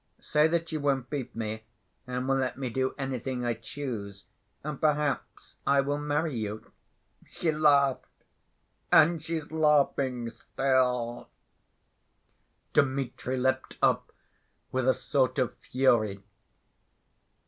Say that you won't beat me, and will let me do anything I choose, and perhaps I will marry you.' She laughed, and she's laughing still!" Dmitri leapt up with a sort of fury.